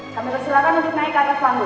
kami persilakan untuk naik ke atas panggung